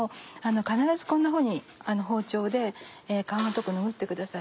必ずこんなふうに包丁で皮のとこを拭ってください。